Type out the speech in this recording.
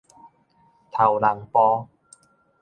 頭人埔